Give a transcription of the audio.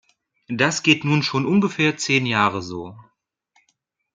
Das geht nun schon ungefähr zehn Jahre so.